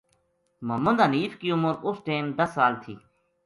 محمد حنیف کی عمر اس ٹیم دس سال تھی